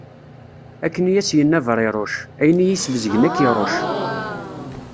Akken i as-yenna Bṛiṛuc: ayen iyi-sbezgen, ad k-iṛuc.